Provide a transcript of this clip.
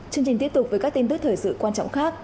chương trình tiếp tục với các tin tức thời sự quan trọng khác